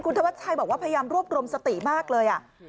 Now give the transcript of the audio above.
ธวัชชัยบอกว่าพยายามรวบรวมสติมากเลย